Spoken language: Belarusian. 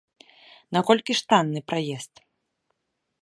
Наколькі ж танны праезд?